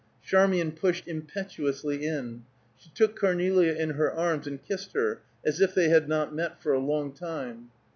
Charmian pushed impetuously in. She took Cornelia in her arms and kissed her, as if they had not met for a long time.